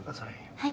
はい。